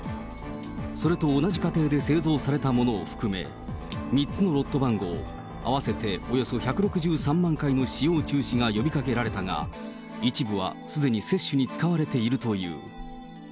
それと同じ過程で製造されたものを含め、３つのロット番号、合わせておよそ１６３万回の使用中止が呼びかけられたが、一部はすでに接種に使われているという。